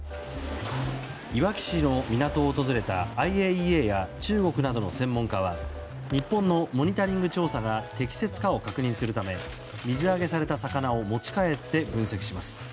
いわき市の港を訪れたＩＡＥＡや中国などの専門家は日本のモニタリング調査が適切かを確認するため水揚げされた魚を持ち帰って分析します。